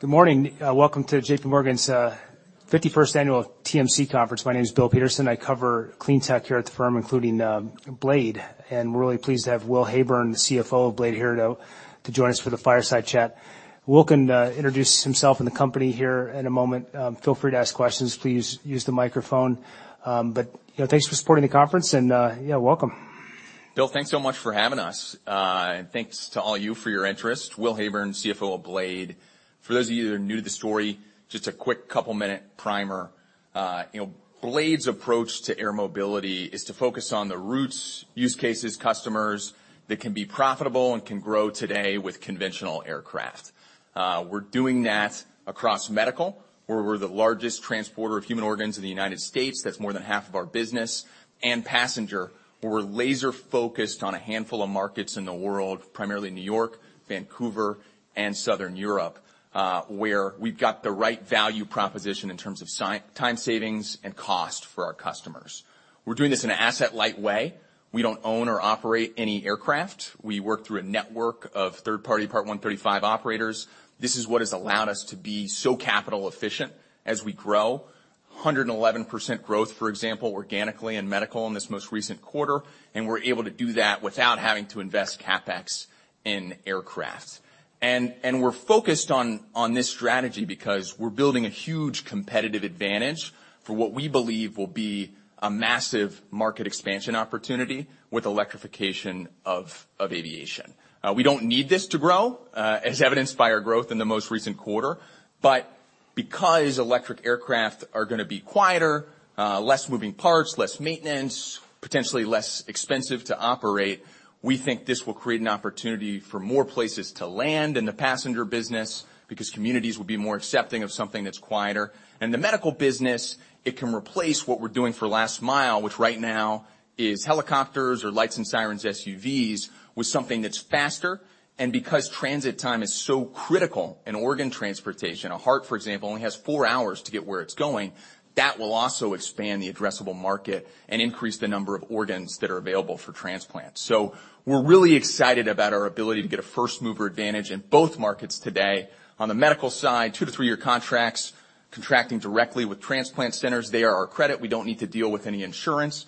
Good morning. Welcome to JPMorgan's 51st annual TMC conference. My name is Bill Peterson. I cover clean tech here at the firm, including Blade. We're really pleased to have Will Heyburn, the CFO of Blade, here to join us for the fireside chat. Will can introduce himself and the company here in a moment. Feel free to ask questions. Please use the microphone. You know, thanks for supporting the conference and, yeah, welcome. Bill, thanks so much for having us. Thanks to all you for your interest. Will Heyburn, CFO of Blade. For those of you who are new to the story, just a quick couple-minute primer. you know, Blade's approach to air mobility is to focus on the routes, use cases, customers that can be profitable and can grow today with conventional aircraft. We're doing that across medical, where we're the largest transporter of human organs in the United States. That's more than half of our business. Passenger, where we're laser-focused on a handful of markets in the world, primarily New York, Vancouver, and Southern Europe, where we've got the right value proposition in terms of time savings and cost for our customers. We're doing this in an asset-light way. We don't own or operate any aircraft. We work through a network of third-party Part 135 operators. This is what has allowed us to be so capital efficient as we grow. 111% growth, for example, organically in medical in this most recent quarter, and we're able to do that without having to invest CapEx in aircraft. We're focused on this strategy because we're building a huge competitive advantage for what we believe will be a massive market expansion opportunity with electrification of aviation. We don't need this to grow, as evidenced by our growth in the most recent quarter. Because electric aircraft are gonna be quieter, less moving parts, less maintenance, potentially less expensive to operate, we think this will create an opportunity for more places to land in the passenger business because communities will be more accepting of something that's quieter. In the medical business, it can replace what we're doing for last mile, which right now is helicopters or lights and sirens SUVs, with something that's faster. Because transit time is so critical in organ transportation, a heart, for example, only has four hours to get where it's going, that will also expand the addressable market and increase the number of organs that are available for transplant. We're really excited about our ability to get a first-mover advantage in both markets today. On the medical side, two to three-year contracts contracting directly with transplant centers. They are our credit. We don't need to deal with any insurance.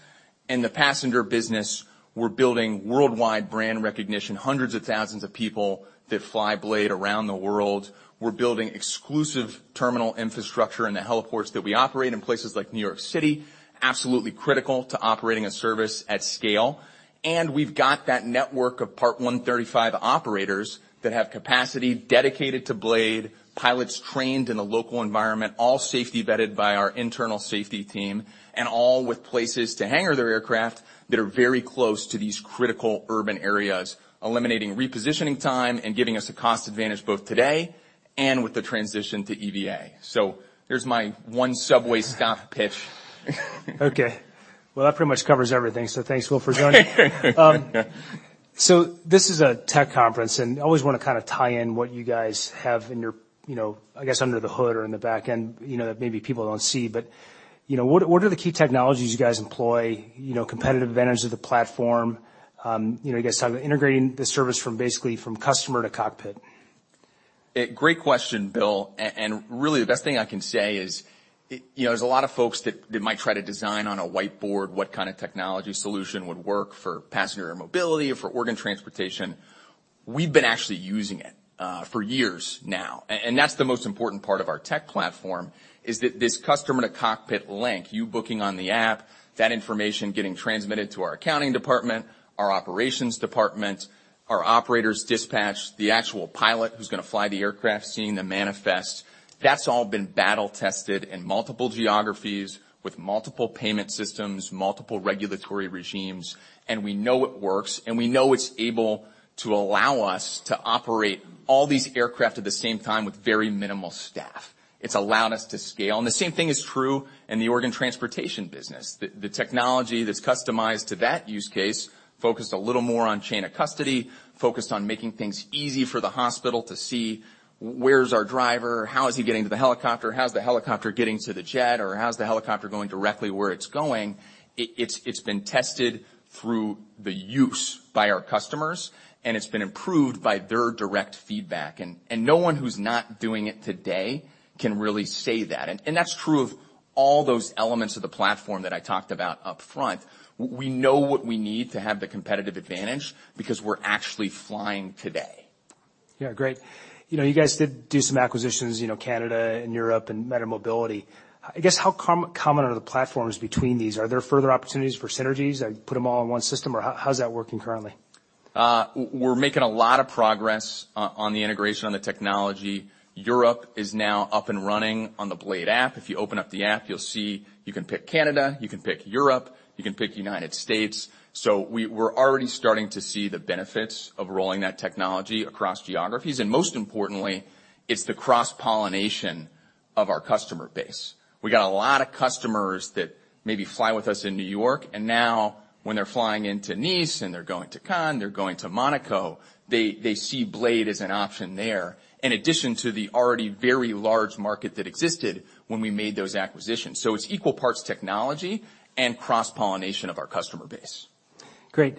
In the passenger business, we're building worldwide brand recognition, hundreds of thousands of people that fly Blade around the world. We're building exclusive terminal infrastructure in the heliports that we operate in places like New York City, absolutely critical to operating a service at scale. We've got that network of Part 135 operators that have capacity dedicated to Blade, pilots trained in the local environment, all safety vetted by our internal safety team, and all with places to hangar their aircraft that are very close to these critical urban areas, eliminating repositioning time and giving us a cost advantage both today and with the transition to EVA. There's my one subway stop pitch. Okay. Well, that pretty much covers everything. Thanks, Will, for joining. This is a tech conference, and I always wanna kinda tie in what you guys have in your, you know, I guess under the hood or in the back end, you know, that maybe people don't see. You know, what are the key technologies you guys employ, you know, competitive advantage of the platform? You know, I guess kind of integrating the service from basically from customer to cockpit? Great question, Bill. Really the best thing I can say is, you know, there's a lot of folks that might try to design on a whiteboard what kind of technology solution would work for passenger air mobility or for organ transportation. We've been actually using it for years now. That's the most important part of our tech platform, is that this customer to cockpit link, you booking on the app, that information getting transmitted to our accounting department, our operations department, our operators dispatch, the actual pilot who's gonna fly the aircraft, seeing the manifest. That's all been battle tested in multiple geographies with multiple payment systems, multiple regulatory regimes, and we know it works, and we know it's able to allow us to operate all these aircraft at the same time with very minimal staff. It's allowed us to scale. The same thing is true in the organ transportation business. The technology that's customized to that use case focused a little more on chain of custody, focused on making things easy for the hospital to see where's our driver, how is he getting to the helicopter, how's the helicopter getting to the jet, or how's the helicopter going directly where it's going. It's, it's been tested through the use by our customers, and it's been improved by their direct feedback. No one who's not doing it today can really say that. That's true of all those elements of the platform that I talked about up front. We know what we need to have the competitive advantage because we're actually flying today. Yeah, great. You know, you guys did do some acquisitions, you know, Canada and Europe and MediMobility. I guess how common are the platforms between these? Are there further opportunities for synergies, like put them all in one system or how's that working currently? We're making a lot of progress on the integration, on the technology. Europe is now up and running on the BLADE app. If you open up the app, you'll see you can pick Canada, you can pick Europe, you can pick United States. We're already starting to see the benefits of rolling that technology across geographies. Most importantly, it's the cross-pollination of our customer base. We got a lot of customers that maybe fly with us in New York, and now when they're flying into Nice and they're going to Cannes, they're going to Monaco, they see Blade as an option there, in addition to the already very large market that existed when we made those acquisitions. It's equal parts technology and cross-pollination of our customer base. Great.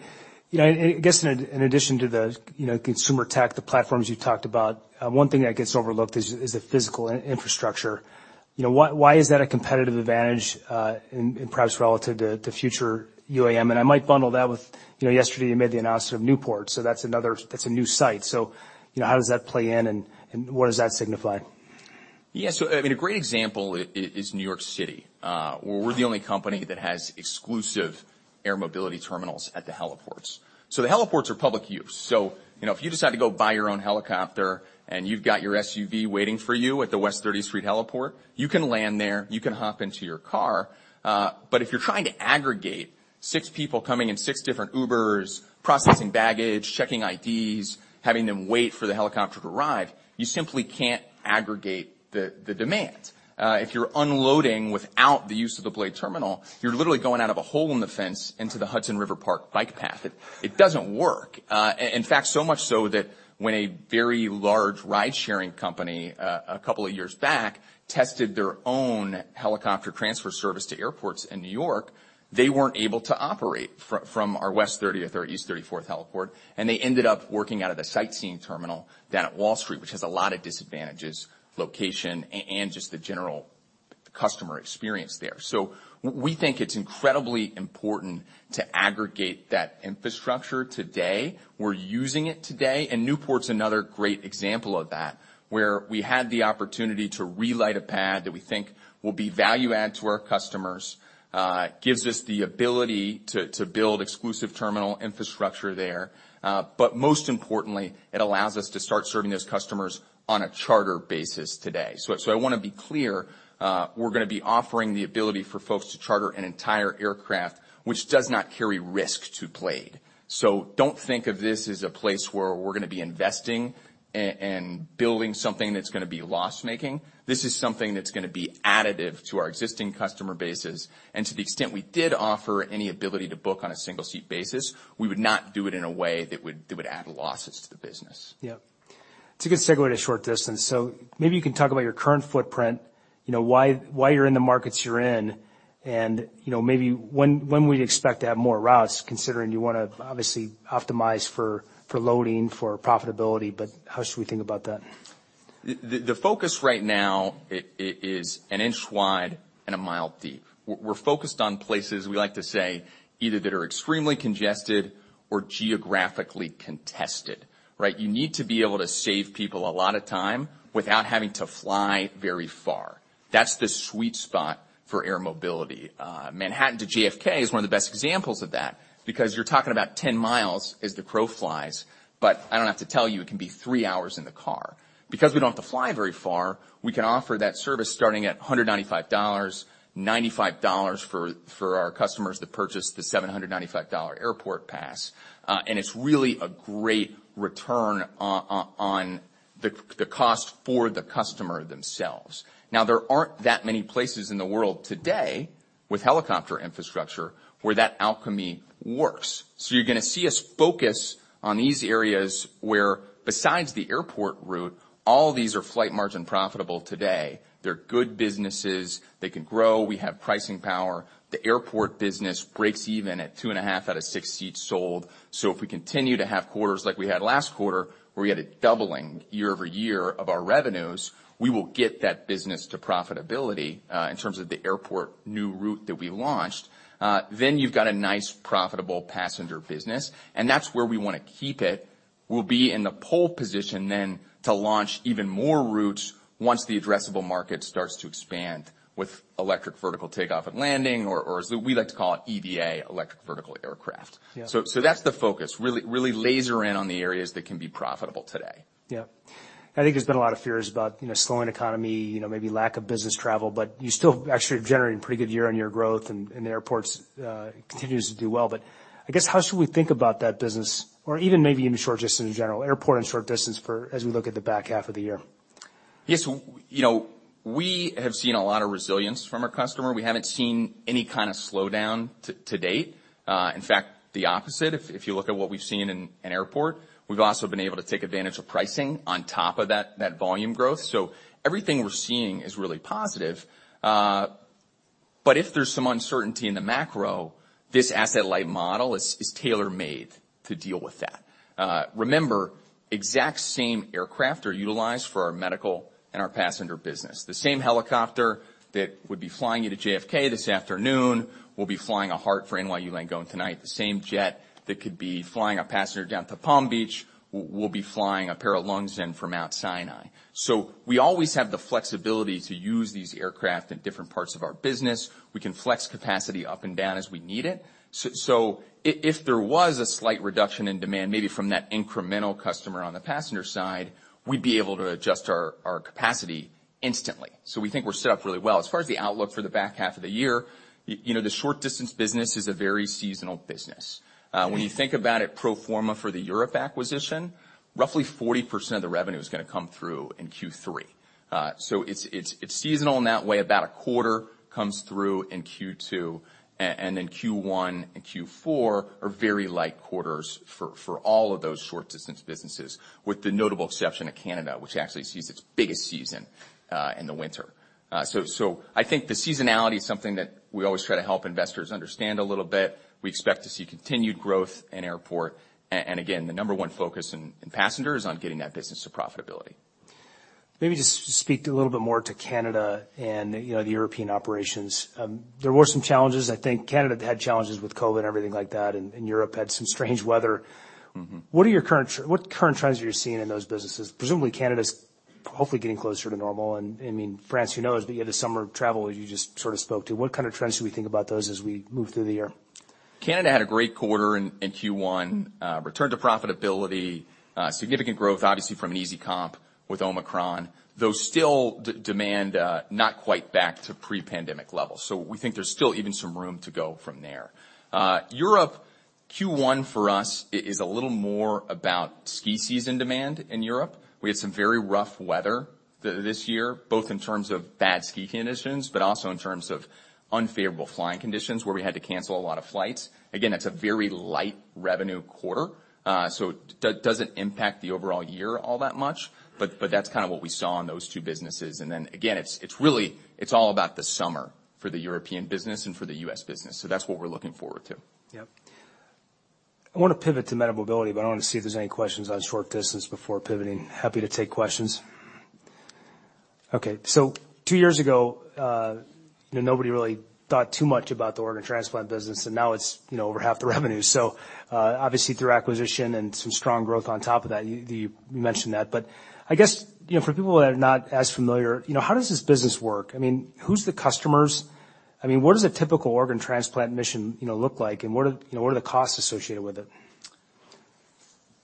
You know, I guess in addition to the, you know, consumer tech, the platforms you talked about, one thing that gets overlooked is the physical infrastructure. You know, why is that a competitive advantage in perhaps relative to future UAM? I might bundle that with, you know, yesterday you made the announcement of Newport, that's a new site. You know, how does that play in, and what does that signify? Yeah, I mean, a great example is New York City, where we're the only company that has exclusive air mobility terminals at the heliports. The heliports are public use. You know, if you decide to go buy your own helicopter, and you've got your SUV waiting for you at the West 30th Street heliport, you can land there, you can hop into your car, but if you're trying to aggregate six people coming in six different Ubers, processing baggage, checking IDs, having them wait for the helicopter to arrive, you simply can't aggregate the demand. If you're unloading without the use of the Blade terminal, you're literally going out of a hole in the fence into the Hudson River Park bike path. It doesn't work. In fact, so much so that when a very large ridesharing company, a couple of years back tested their own helicopter transfer service to airports in New York, they weren't able to operate from our West 30th or East 34th heliport, and they ended up working out of the sightseeing terminal down at Wall Street, which has a lot of disadvantages, location and just the general customer experience there. We think it's incredibly important to aggregate that infrastructure today. We're using it today, and Newport's another great example of that, where we had the opportunity to relight a pad that we think will be value add to our customers, gives us the ability to build exclusive terminal infrastructure there. Most importantly, it allows us to start serving those customers on a charter basis today. I wanna be clear, we're gonna be offering the ability for folks to charter an entire aircraft which does not carry risk to Blade. Don't think of this as a place where we're gonna be investing and building something that's gonna be loss-making. This is something that's gonna be additive to our existing customer bases, and to the extent we did offer any ability to book on a single-seat basis, we would not do it in a way that would add losses to the business. Yeah. It's a good segue to short distance. Maybe you can talk about your current footprint, you know, why you're in the markets you're in, and, you know, maybe when we'd expect to have more routes, considering you wanna obviously optimize for loading, for profitability, but how should we think about that? The focus right now is an inch wide and a mile deep. We're focused on places we like to say either that are extremely congested or geographically contested, right? You need to be able to save people a lot of time without having to fly very far. That's the sweet spot for air mobility. Manhattan to JFK is one of the best examples of that because you're talking about 10 miles as the crow flies, but I don't have to tell you, it can be three hours in the car. We don't have to fly very far, we can offer that service starting at $195, $95 for our customers that purchase the $795 Airport Pass. It's really a great return on the cost for the customer themselves. There aren't that many places in the world today with helicopter infrastructure where that alchemy works. You're gonna see us focus on these areas where besides the airport route, all of these are flight margin profitable today. They're good businesses. They can grow. We have pricing power. The airport business breaks even at two and a half out of six seats sold. If we continue to have quarters like we had last quarter, where we had a doubling year-over-year of our revenues, we will get that business to profitability in terms of the airport new route that we launched. You've got a nice profitable passenger business, and that's where we wanna keep it. We'll be in the pole position then to launch even more routes once the addressable market starts to expand with electric vertical take-off and landing or as we like to call it, EVA, electric vertical aircraft. Yeah. That's the focus, really laser in on the areas that can be profitable today. Yeah. I think there's been a lot of fears about, you know, slowing economy, you know, maybe lack of business travel, but you still actually are generating pretty good year-over-year growth and the airports continues to do well. I guess, how should we think about that business or even maybe even short distance in general, airport and short distance for as we look at the back half of the year? Yes. You know, we have seen a lot of resilience from our customer. We haven't seen any kinda slowdown to date. In fact, the opposite, if you look at what we've seen in airport. We've also been able to take advantage of pricing on top of that volume growth. Everything we're seeing is really positive. If there's some uncertainty in the macro, this asset-light model is tailor-made to deal with that. Remember, exact same aircraft are utilized for our medical and our passenger business. The same helicopter that would be flying you to JFK this afternoon will be flying a heart for NYU Langone tonight. The same jet that could be flying a passenger down to Palm Beach will be flying a pair of lungs in from Mount Sinai. We always have the flexibility to use these aircraft in different parts of our business. We can flex capacity up and down as we need it. If there was a slight reduction in demand, maybe from that incremental customer on the passenger side, we'd be able to adjust our capacity instantly. We think we're set up really well. As far as the outlook for the back half of the year, you know, the short distance business is a very seasonal business. When you think about it pro forma for the Europe acquisition, roughly 40% of the revenue is gonna come through in Q3. It's seasonal in that way. About a quarter comes through in Q2, and then Q1 and Q4 are very light quarters for all of those short distance businesses, with the notable exception of Canada, which actually sees its biggest season in the winter. I think the seasonality is something that we always try to help investors understand a little bit. We expect to see continued growth in airport. Again, the number one focus in passengers on getting that business to profitability. Maybe just speak to a little bit more to Canada and, you know, the European operations. There were some challenges. I think Canada had challenges with COVID and everything like that, and Europe had some strange weather. Mm-hmm. What are your current what current trends are you seeing in those businesses? Presumably Canada's hopefully getting closer to normal. I mean, France, who knows? You had a summer of travel, as you just sort of spoke to. What kind of trends should we think about those as we move through the year? Canada had a great quarter in Q1. Returned to profitability, significant growth, obviously from an easy comp with Omicron. Though still demand not quite back to pre-pandemic levels. We think there's still even some room to go from there. Europe, Q1 for us is a little more about ski season demand in Europe. We had some very rough weather this year, both in terms of bad ski conditions, but also in terms of unfavorable flying conditions, where we had to cancel a lot of flights. It's a very light revenue quarter, so it doesn't impact the overall year all that much. That's kind of what we saw on those two businesses. Then again, it's really, it's all about the summer for the European business and for the US business. That's what we're looking forward to. Yep. I wanna pivot to MediMobility. I wanna see if there's any questions on short distance before pivoting. Happy to take questions. Okay. Two years ago, you know, nobody really thought too much about the organ transplant business. Now it's, you know, over half the revenue. Obviously through acquisition and some strong growth on top of that, you mentioned that. I guess, you know, for people that are not as familiar, you know, how does this business work? I mean, who's the customers? I mean, what does a typical organ transplant mission, you know, look like? What are, you know, what are the costs associated with it?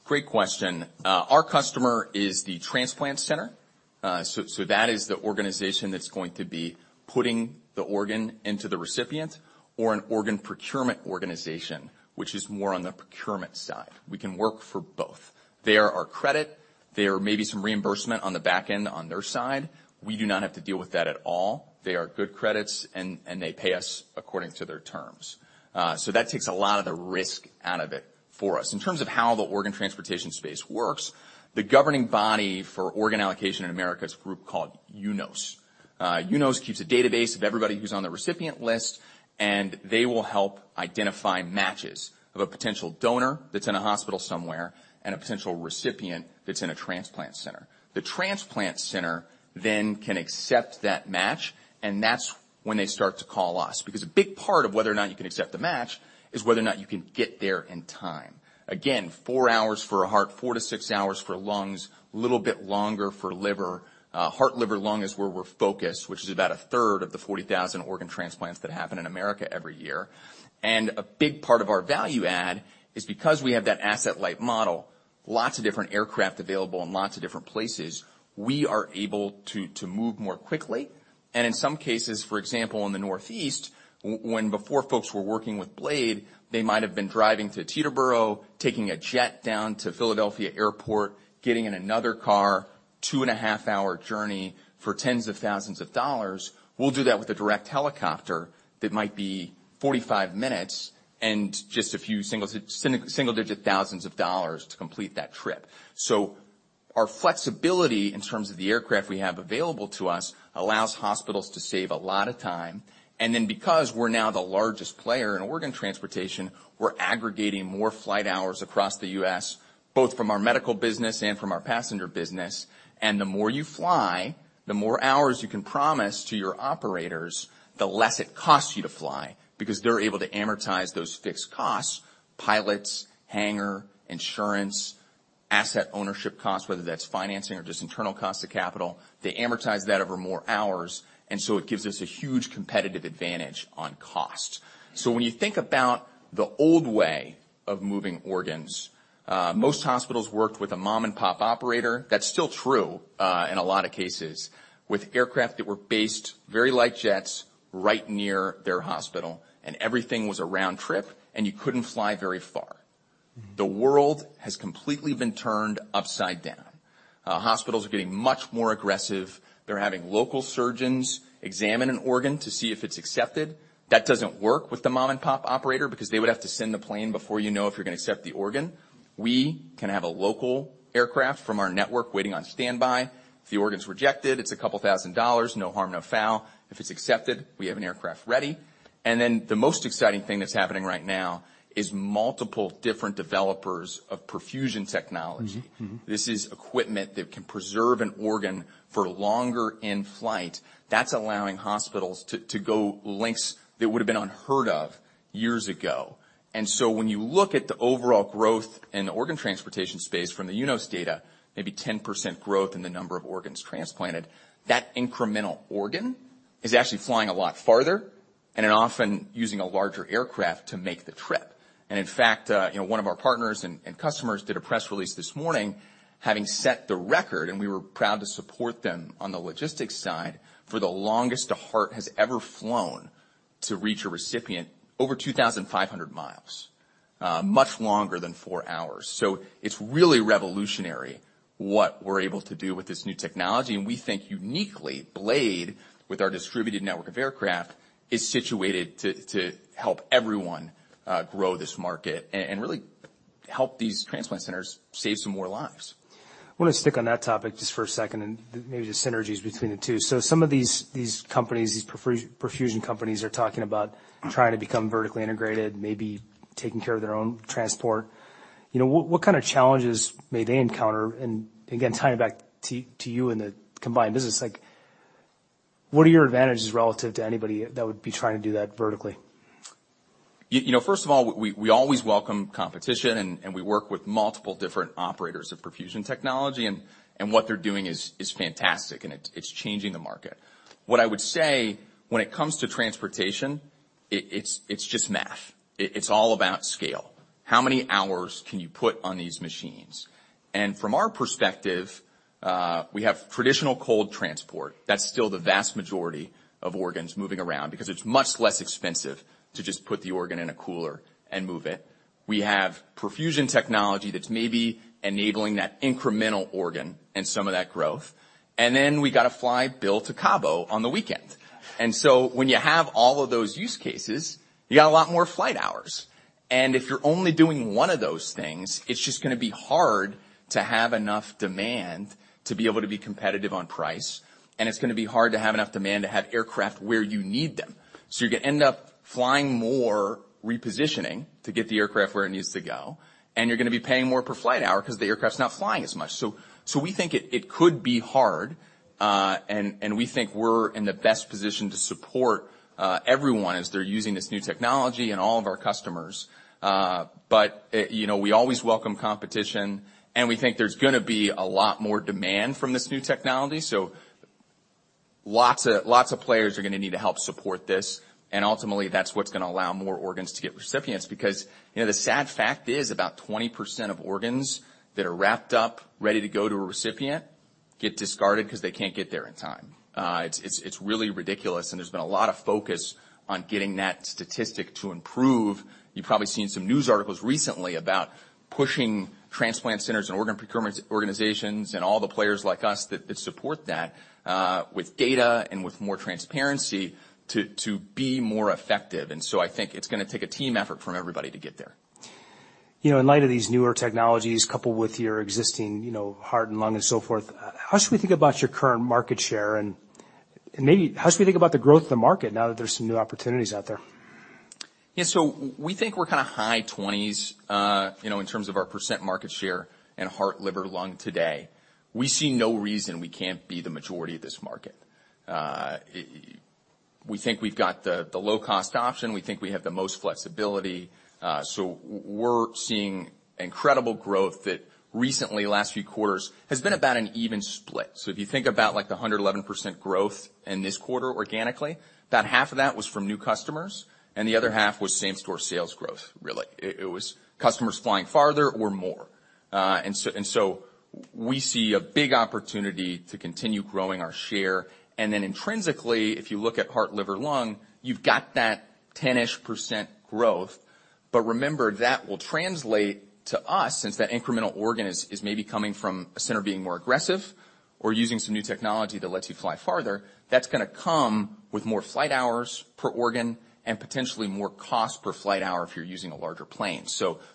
Great question. Our customer is the transplant center. That is the organization that's going to be putting the organ into the recipient or an Organ Procurement Organization, which is more on the procurement side. We can work for both. They are our credit. There may be some reimbursement on the back end on their side. We do not have to deal with that at all. They are good credits and they pay us according to their terms. That takes a lot of the risk out of it for us. In terms of how the organ transportation space works, the governing body for organ allocation in America is a group called UNOS. UNOS keeps a database of everybody who's on the recipient list, and they will help identify matches of a potential donor that's in a hospital somewhere and a potential recipient that's in a transplant center. The transplant center then can accept that match, and that's when they start to call us, because a big part of whether or not you can accept the match is whether or not you can get there in time. Again, 4 hours for a heart, 4-6 hours for lungs, a little bit longer for liver. Heart, liver, lung is where we're focused, which is about a third of the 40,000 organ transplants that happen in America every year. A big part of our value add is because we have that asset-light model, lots of different aircraft available in lots of different places, we are able to move more quickly. In some cases, for example, in the Northeast, when before folks were working with Blade, they might have been driving to Teterboro, taking a jet down to Philadelphia Airport, getting in another car, a 2.5-hour journey for $10,000s. We'll do that with a direct helicopter that might be 45 minutes and just a few single digit $1,000s to complete that trip. Our flexibility in terms of the aircraft we have available to us allows hospitals to save a lot of time. Because we're now the largest player in organ transportation, we're aggregating more flight hours across the U.S., both from our medical business and from our passenger business. The more you fly, the more hours you can promise to your operators, the less it costs you to fly because they're able to amortize those fixed costs, pilots, hangar, insurance, asset ownership costs, whether that's financing or just internal cost of capital. They amortize that over more hours, and so it gives us a huge competitive advantage on cost. When you think about the old way of moving organs, most hospitals worked with a mom-and-pop operator. That's still true, in a lot of cases with aircraft that were based very light jets right near their hospital, and everything was a round trip, and you couldn't fly very far. Mm-hmm. The world has completely been turned upside down. Hospitals are getting much more aggressive. They're having local surgeons examine an organ to see if it's accepted. That doesn't work with the mom-and-pop operator because they would have to send the plane before you know if you're gonna accept the organ. We can have a local aircraft from our network waiting on standby. If the organ's rejected, it's a couple thousand dollars, no harm, no foul. If it's accepted, we have an aircraft ready. The most exciting thing that's happening right now is multiple different developers of perfusion technology. Mm-hmm. Mm-hmm. This is equipment that can preserve an organ for longer in flight. That's allowing hospitals to go lengths that would have been unheard of years ago. When you look at the overall growth in the organ transportation space from the UNOS data, maybe 10% growth in the number of organs transplanted, that incremental organ is actually flying a lot farther and often using a larger aircraft to make the trip. In fact, you know, one of our partners and customers did a press release this morning having set the record, and we were proud to support them on the logistics side, for the longest a heart has ever flown to reach a recipient over 2,500 miles, much longer than 4 hours. It's really revolutionary what we're able to do with this new technology. We think uniquely Blade, with our distributed network of aircraft, is situated to help everyone, grow this market and really help these transplant centers save some more lives. I wanna stick on that topic just for a second and maybe the synergies between the two. Some of these companies, these perfusion companies are talking about trying to become vertically integrated, maybe taking care of their own transport. You know, what kind of challenges may they encounter? Again, tying it back to you in the combined business, like what are your advantages relative to anybody that would be trying to do that vertically? You know, first of all, we always welcome competition and we work with multiple different operators of perfusion technology, and what they're doing is fantastic, and it's changing the market. What I would say when it comes to transportation, it's just math. It's all about scale. How many hours can you put on these machines? From our perspective, we have traditional cold transport. That's still the vast majority of organs moving around because it's much less expensive to just put the organ in a cooler and move it. We have perfusion technology that's maybe enabling that incremental organ and some of that growth. Then we gotta fly Bill to Cabo on the weekend. When you have all of those use cases, you got a lot more flight hours. If you're only doing one of those things, it's just gonna be hard to have enough demand to be able to be competitive on price, and it's gonna be hard to have enough demand to have aircraft where you need them. You're gonna end up flying more repositioning to get the aircraft where it needs to go, and you're gonna be paying more per flight hour 'cause the aircraft's not flying as much. We think it could be hard, and we think we're in the best position to support everyone as they're using this new technology and all of our customers. You know, we always welcome competition, and we think there's gonna be a lot more demand from this new technology, so lots of players are gonna need to help support this. Ultimately, that's what's gonna allow more organs to get recipients because, you know, the sad fact is about 20% of organs that are wrapped up, ready to go to a recipient, get discarded 'cause they can't get there in time. It's really ridiculous, and there's been a lot of focus on getting that statistic to improve. You've probably seen some news articles recently about pushing transplant centers and Organ Procurement Organizations and all the players like us that support that with data and with more transparency to be more effective. I think it's gonna take a team effort from everybody to get there. You know, in light of these newer technologies, coupled with your existing, you know, heart and lung and so forth, how should we think about your current market share and maybe how should we think about the growth of the market now that there's some new opportunities out there? We think we're kinda high 20s, you know, in terms of our % market share in heart, liver, lung today. We see no reason we can't be the majority of this market. We think we've got the low-cost option. We think we have the most flexibility. We're seeing incredible growth that recently, last few quarters, has been about an even split. If you think about like the 111% growth in this quarter organically, about half of that was from new customers, and the other half was same-store sales growth, really. It was customers flying farther or more. And so we see a big opportunity to continue growing our share. Intrinsically, if you look at heart, liver, lung, you've got that 10-ish% growth. Remember, that will translate to us since that incremental organ is maybe coming from a center being more aggressive or using some new technology that lets you fly farther. That's gonna come with more flight hours per organ and potentially more cost per flight hour if you're using a larger plane.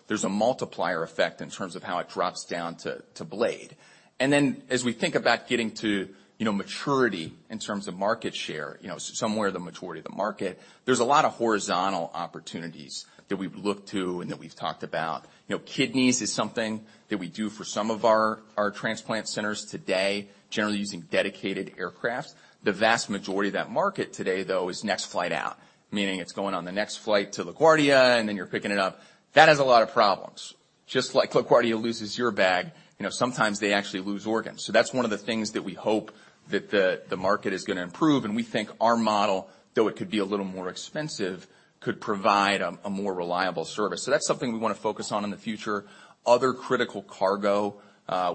There's a multiplier effect in terms of how it drops down to Blade. As we think about getting to, you know, maturity in terms of market share, you know, somewhere the majority of the market, there's a lot of horizontal opportunities that we've looked to and that we've talked about. You know, kidneys is something that we do for some of our transplant centers today, generally using dedicated aircrafts. The vast majority of that market today, though, is Next Flight Out, meaning it's going on the next flight to LaGuardia, and then you're picking it up. That has a lot of problems. Just like LaGuardia loses your bag, you know, sometimes they actually lose organs. That's one of the things that we hope that the market is gonna improve, and we think our model, though it could be a more expensive, could provide a more reliable service. That's something we wanna focus on in the future. Other critical cargo,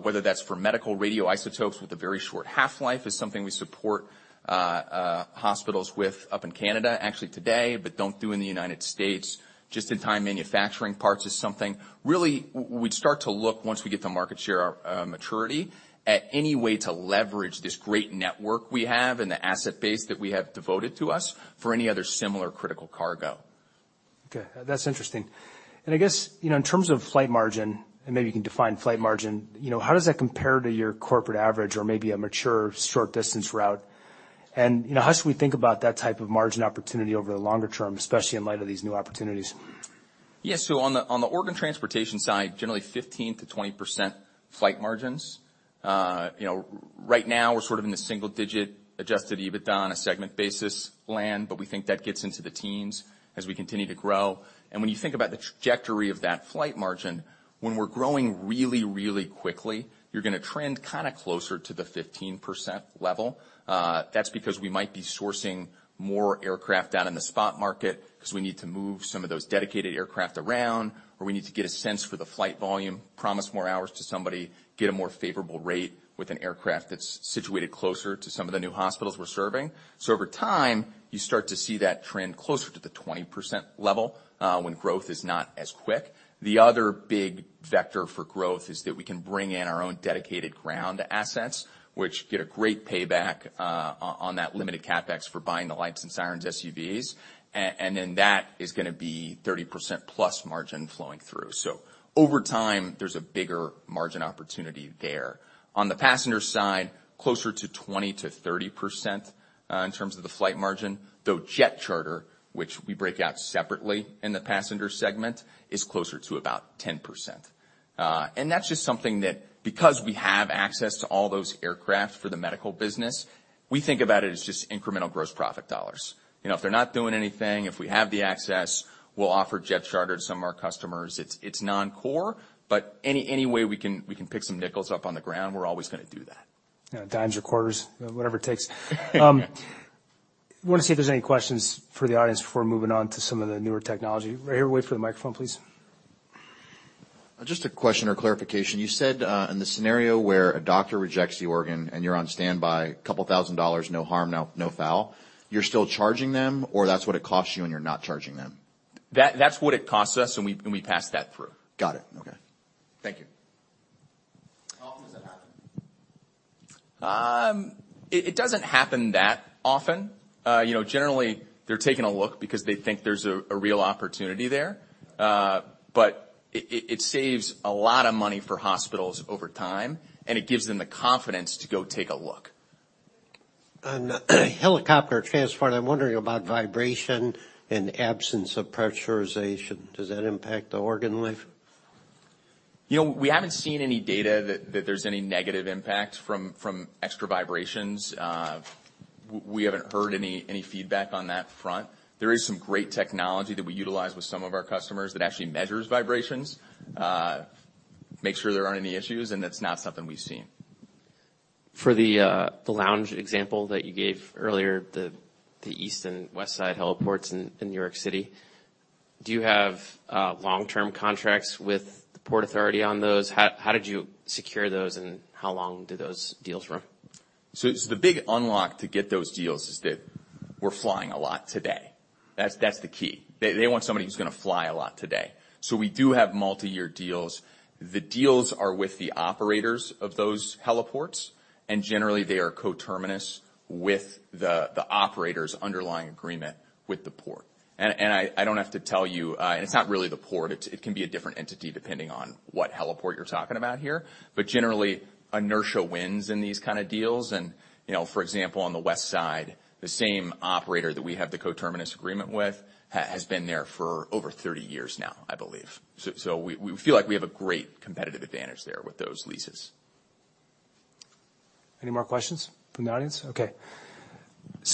whether that's for medical radioisotopes with a very short half-life, is something we support hospitals with up in Canada actually today, but don't do in the United States. Just-in-time manufacturing parts is something. Really, we'd start to look once we get the market share, maturity at any way to leverage this great network we have and the asset base that we have devoted to us for any other similar critical cargo. Okay. That's interesting. I guess, you know, in terms of flight margin, and maybe you can define flight margin, you know, how does that compare to your corporate average or maybe a mature short distance route? You know, how should we think about that type of margin opportunity over the longer term, especially in light of these new opportunities? On the organ transportation side, generally 15%-20% flight margins. You know, right now we're sort of in the single-digit adjusted EBITDA on a Segment basis land, we think that gets into the teens as we continue to grow. When you think about the trajectory of that flight margin, when we're growing really, really quickly, you're gonna trend kinda closer to the 15% level. That's because we might be sourcing more aircraft out in the spot market 'cause we need to move some of those dedicated aircraft around, or we need to get a sense for the flight volume, promise more hours to somebody, get a more favorable rate with an aircraft that's situated closer to some of the new hospitals we're serving. Over time, you start to see that trend closer to the 20% level, when growth is not as quick. The other big vector for growth is that we can bring in our own dedicated ground assets, which get a great payback, on that limited CapEx for buying the lights and sirens SUVs. Then that is gonna be 30% plus margin flowing through. Over time, there's a bigger margin opportunity there. On the passenger side, closer to 20%-30%. In terms of the flight margin, though jet charter, which we break out separately in the passenger segment, is closer to about 10%. And that's just something that because we have access to all those aircraft for the medical business, we think about it as just incremental gross profit dollars. You know, if they're not doing anything, if we have the access, we'll offer jet charter to some of our customers. It's non-core, but any way we can pick some nickels up on the ground, we're always gonna do that. Yeah. Dimes or quarters, whatever it takes. Want to see if there's any questions from the audience before moving on to some of the newer technology. Right here, wait for the microphone, please. Just a question or clarification. You said, in the scenario where a doctor rejects the organ and you're on standby, a couple thousand dollars, no harm, no foul, you're still charging them, or that's what it costs you and you're not charging them? That's what it costs us, and we pass that through. Got it. Okay. Thank you. How often does that happen? It doesn't happen that often. You know, generally, they're taking a look because they think there's a real opportunity there. It saves a lot of money for hospitals over time, and it gives them the confidence to go take a look. On a helicopter transport, I'm wondering about vibration and absence of pressurization. Does that impact the organ life? You know, we haven't seen any data that there's any negative impact from extra vibrations. We haven't heard any feedback on that front. There is some great technology that we utilize with some of our customers that actually measures vibrations, makes sure there aren't any issues, and that's not something we've seen. For the lounge example that you gave earlier, the east and west side heliports in New York City, do you have long-term contracts with the Port Authority on those? How did you secure those, and how long do those deals run? The big unlock to get those deals is that we're flying a lot today. That's the key. They want somebody who's gonna fly a lot today. We do have multi-year deals. The deals are with the operators of those heliports, and generally, they are coterminous with the operator's underlying agreement with the Port. I don't have to tell you, and it's not really the Port, it can be a different entity depending on what heliport you're talking about here. Generally, inertia wins in these kinda deals and, you know, for example, on the west side, the same operator that we have the coterminous agreement with has been there for over 30 years now, I believe. We feel like we have a great competitive advantage there with those leases. Any more questions from the audience? Okay.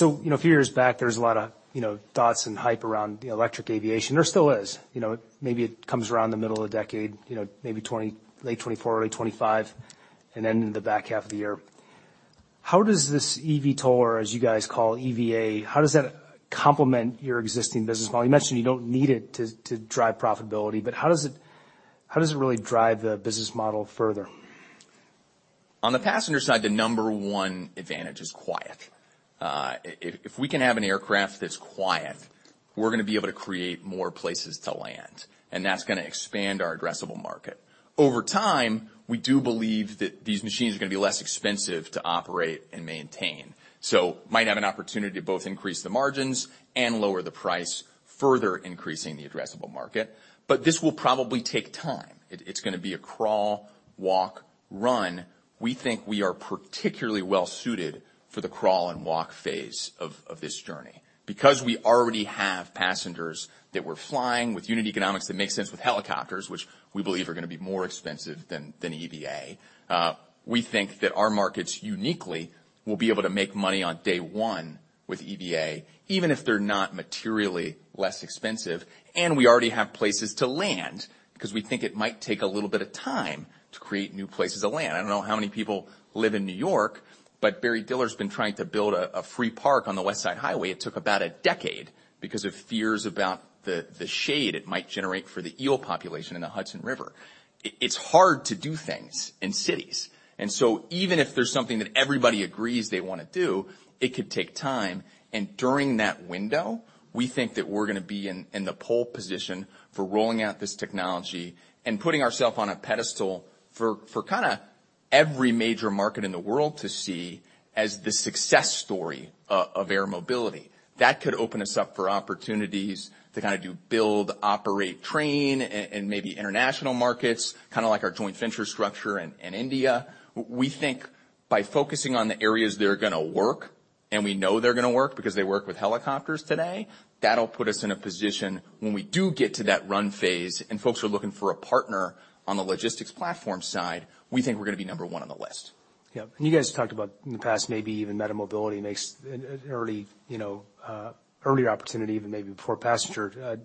You know, a few years back, there was a lot of, you know, thoughts and hype around the electric aviation. There still is. You know, maybe it comes around the middle of the decade, you know, maybe 2020, late 2024, early 2025, and then in the back half of the year. How does this eVTOL, or as you guys call EVA, how does that complement your existing business model? You mentioned you don't need it to drive profitability, but how does it, how does it really drive the business model further? On the passenger side, the number one advantage is quiet. If we can have an aircraft that's quiet, we're gonna be able to create more places to land, and that's gonna expand our addressable market. Over time, we do believe that these machines are gonna be less expensive to operate and maintain. Might have an opportunity to both increase the margins and lower the price, further increasing the addressable market. This will probably take time. It's gonna be a crawl, walk, run. We think we are particularly well suited for the crawl and walk phase of this journey. We already have passengers that we're flying with unit economics that make sense with helicopters, which we believe are gonna be more expensive than EVA, we think that our markets uniquely will be able to make money on day one with EVA, even if they're not materially less expensive. We already have places to land, because we think it might take a little bit of time to create new places to land. I don't know how many people live in New York, but Barry Diller's been trying to build a free park on the West Side Highway. It took about a decade because of fears about the shade it might generate for the eel population in the Hudson River. It's hard to do things in cities. Even if there's something that everybody agrees they wanna do, it could take time. During that window, we think that we're gonna be in the pole position for rolling out this technology and putting ourself on a pedestal for kinda every major market in the world to see as the success story of air mobility. That could open us up for opportunities to kinda do build, operate, train, and maybe international markets, kinda like our joint venture structure in India. We think by focusing on the areas that are gonna work, and we know they're gonna work because they work with helicopters today, that'll put us in a position when we do get to that run phase and folks are looking for a partner on the logistics platform side, we think we're gonna be number one on the list. Yeah. You guys talked about in the past maybe even MediMobility makes an early, you know, earlier opportunity even maybe before passenger.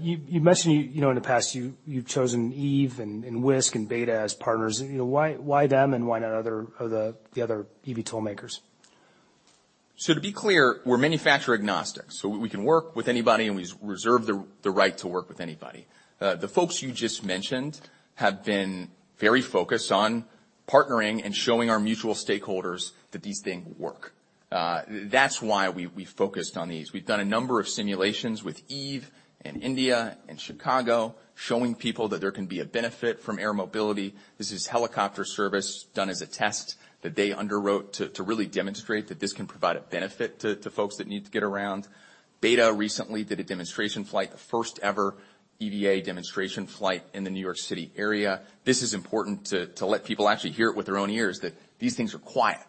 You mentioned, you know, in the past, you've chosen Eve and Wisk and BETA as partners. You know, why them and why not other the other eVTOL makers? To be clear, we're manufacturer agnostic, so we can work with anybody, and we reserve the right to work with anybody. The folks you just mentioned have been very focused on partnering and showing our mutual stakeholders that this thing work. That's why we focused on these. We've done a number of simulations with Eve in India and Chicago, showing people that there can be a benefit from air mobility. This is helicopter service done as a test that they underwrote to really demonstrate that this can provide a benefit to folks that need to get around. BETA recently did a demonstration flight, the first ever EVA demonstration flight in the New York City area. This is important to let people actually hear it with their own ears that these things are quiet.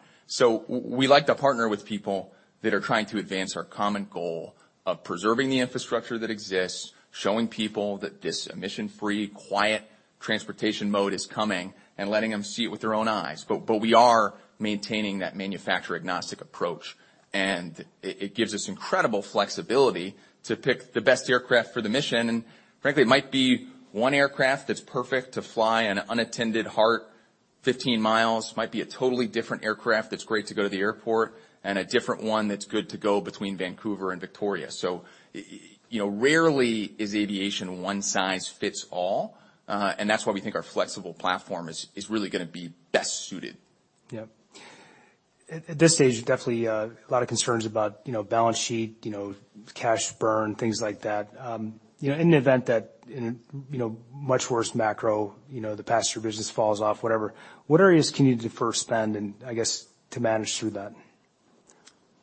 We like to partner with people that are trying to advance our common goal of preserving the infrastructure that exists, showing people that this emission-free, quiet transportation mode is coming, and letting them see it with their own eyes. We are maintaining that manufacturer-agnostic approach, and it gives us incredible flexibility to pick the best aircraft for the mission. Frankly, it might be one aircraft that's perfect to fly an unattended heart 15 miles, might be a totally different aircraft that's great to go to the airport, and a different one that's good to go between Vancouver and Victoria. You know, rarely is aviation one size fits all, and that's why we think our flexible platform is really gonna be best suited. Yep. At this stage, definitely, a lot of concerns about, you know, balance sheet, you know, cash burn, things like that. you know, in an event that in, you know, much worse macro, you know, the passenger business falls off, whatever, what areas can you defer spend and, I guess, to manage through that?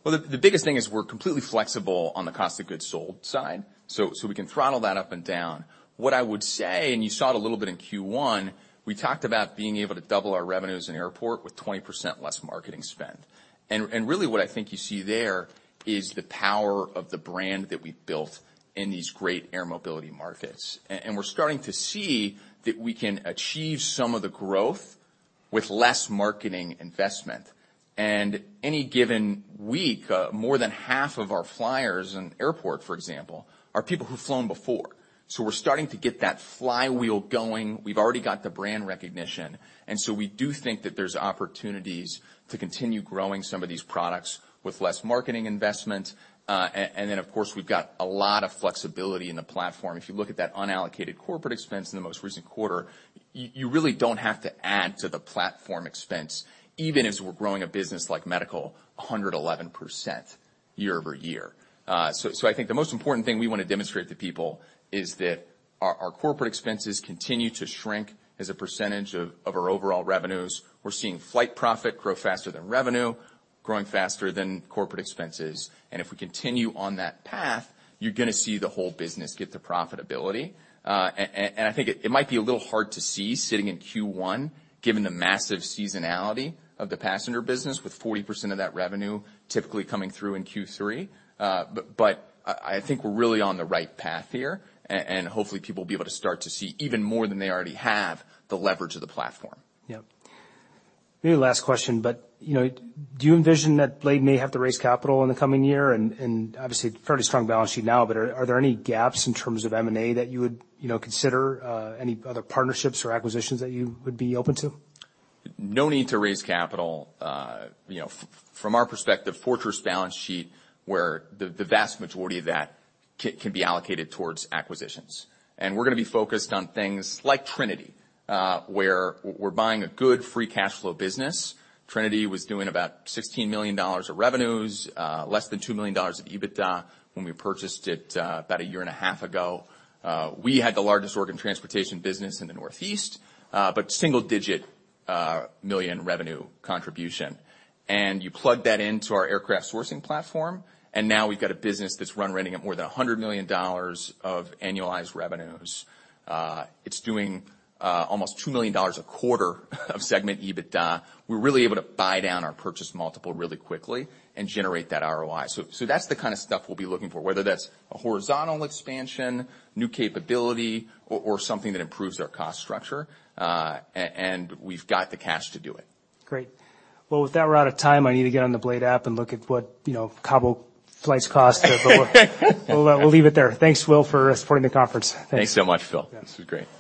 Well, the biggest thing is we're completely flexible on the cost of goods sold side, so we can throttle that up and down. What I would say, you saw it a little bit in Q1, we talked about being able to double our revenues in airport with 20% less marketing spend. Really what I think you see there is the power of the brand that we've built in these great air mobility markets. We're starting to see that we can achieve some of the growth with less marketing investment. Any given week, more than half of our flyers in airport, for example, are people who've flown before. We're starting to get that flywheel going. We've already got the brand recognition, we do think that there's opportunities to continue growing some of these products with less marketing investment. Of course, we've got a lot of flexibility in the platform. If you look at that unallocated corporate expense in the most recent quarter, you really don't have to add to the platform expense, even as we're growing a business like medical 111% year-over-year. I think the most important thing we wanna demonstrate to people is that our corporate expenses continue to shrink as a percentage of our overall revenues. We're seeing flight profit grow faster than revenue, growing faster than corporate expenses. If we continue on that path, you're gonna see the whole business get to profitability. I think it might be a little hard to see sitting in Q1, given the massive seasonality of the passenger business, with 40% of that revenue typically coming through in Q3. I think we're really on the right path here and hopefully people will be able to start to see even more than they already have the leverage of the platform. Yep. Maybe last question, but, you know, do you envision that Blade may have to raise capital in the coming year? Obviously fairly strong balance sheet now, but are there any gaps in terms of M&A that you would, you know, consider any other partnerships or acquisitions that you would be open to? No need to raise capital. you know, from our perspective, fortress balance sheet, where the vast majority of that can be allocated towards acquisitions. We're gonna be focused on things like Trinity, where we're buying a good free cash flow business. Trinity was doing about $16 million of revenues, less than $2 million of EBITDA when we purchased it, about a year and a half ago. We had the largest organ transportation business in the Northeast, single digit million revenue contribution. You plug that into our aircraft sourcing platform, and now we've got a business that's running at more than $100 million of annualized revenues. It's doing almost $2 million a quarter of Segment EBITDA. We're really able to buy down our purchase multiple really quickly and generate that ROI. That's the kind of stuff we'll be looking for, whether that's a horizontal expansion, new capability or something that improves our cost structure. We've got the cash to do it. Great. Well, with that, we're out of time. I need to get on the BLADE app and look at what, you know, Cabo flights cost. We'll leave it there. Thanks, Will, for supporting the conference. Thanks. Thanks so much, Bill. Yeah. This was great.